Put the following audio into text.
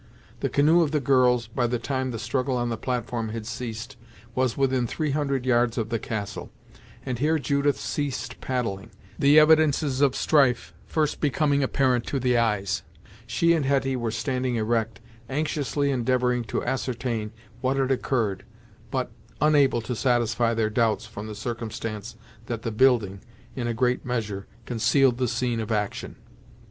The canoe of the girls, by the time the struggle on the platform had ceased, was within three hundred yards of the castle, and here Judith ceased paddling, the evidences of strife first becoming apparent to the eyes. She and Hetty were standing erect, anxiously endeavoring to ascertain what had occurred, but unable to satisfy their doubts from the circumstance that the building, in a great measure, concealed the scene of action.